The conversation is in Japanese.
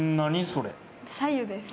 そう白湯です。